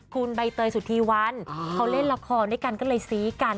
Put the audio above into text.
คุณใบเตยสุธีวันเขาเล่นละครด้วยกันก็เลยซี้กัน